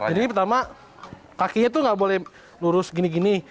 jadi pertama kakinya tuh nggak boleh lurus gini gini